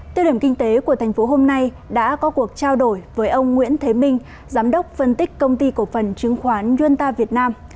tiêu điểm kinh tế của thành phố hôm nay đã có cuộc trao đổi với ông nguyễn thế minh giám đốc phân tích công ty cổ phần chứng khoán yoanta việt nam